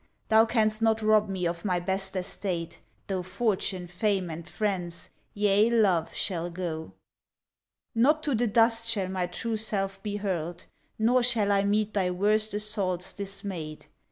Thou canst not rob me of my best estate, Though fortune, fame and friends, yea love shall go. Not to the dust shall my true self be hurled; Nor shall I meet thy worst assaults dismayed.